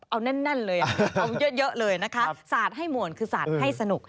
เอาเยอะเลยนะคะศาสตร์ให้มวลคือศาสตร์ให้สนุก